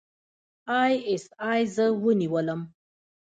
اى ايس اى زه ونیولم.